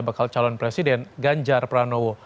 bakal calon presiden ganjar pranowo